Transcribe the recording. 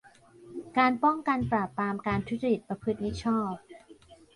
การป้องกันปราบปรามการทุจริต ประพฤติมิชอบ